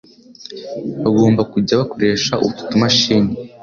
bagomba kujya bakoresha utu tumashini